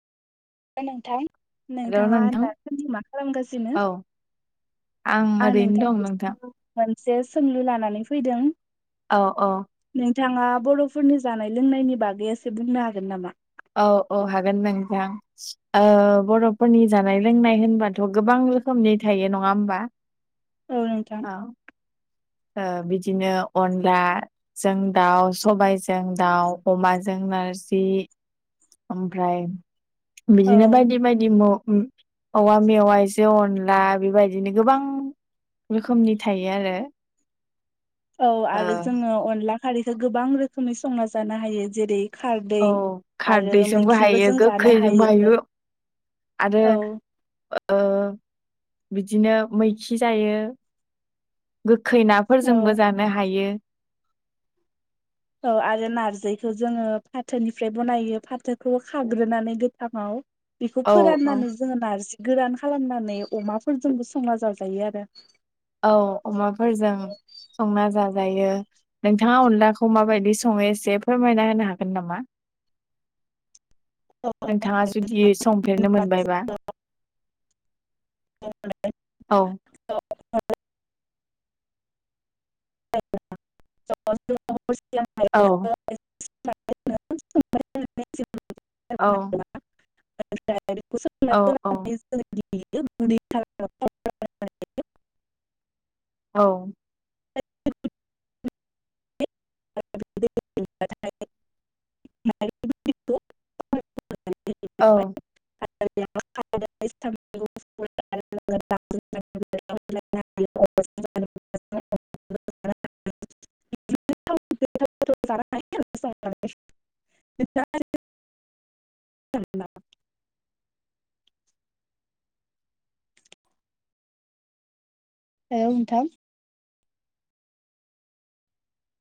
नोंथां हेलौ नोंथाङा नोंथां दासान्दि मा खालामगासिनो। औ आं ओरैनो दं नोंथांनि नोंथां मोनसे सोंलु लानानै फैदों। औ औ। बिथाङा बर'फोरनि जानाय लोंनायनि बागै एसे बुंनो हागोन नामा। औ औ हागोन नोंथां ओ बर'फोरनि जानाय लोंनाय होनबाथ' गोबां रोखोमनि थायो नङा होमबा औ नोंथां औ। बिदिनो अनलाजों दाउ सबायाइजों दाउ अमाजों नारजि ओमफ्राय बिदिनो औ बायदि बायदि म औवा मेवाजों अनला बेबायदिनो गोबां रोखोमनि थायो आरो। औ आरो ओ जोङो अनला खारैखो गोबां रोखोमै संना जानो हायो जेरै खारदै औ आरो खारदैजों मैखिबो हायो जों जानो गोखैजोंबो हायो। आरो औ ओ बिदिनो मैखि जायो गो खै औ नाफोरजोंबो जानो हायो। औ आरो नारजिखौ जोङो फाथोनिफ्राय बनायो फाथोखौ खाग्रोनानै गोथाङाव बेखौ औ फोराननानै जोङो नारजि गोरान खालामनानै अमाफोरजोंबो संना जाजायो आरो। औ अमाफोरजों संना जाजायो नोंथाङा अनलाखौ माबायदि सङो एसे फोरमायना होनो हागोन नामा। [inaudible] औ नोंथाङा जुदि संफेरनो मोनबायबा। औ। [unintelligible] [unintelligible] औ [unintelligible] औ। औ [unintelligible] [unintelligible] औ। [unintelligible] [unintelligible] औ [unintelligible] [unintelligible] [unintelligible] [unintelligible] [unintelligible] औ नोंथां